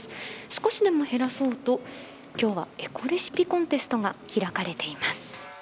少しでも減らそうと、今日はエコレシピコンテストが開かれています。